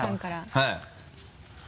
はい。